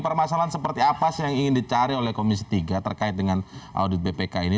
permasalahan seperti apa sih yang ingin dicari oleh komisi tiga terkait dengan audit bpk ini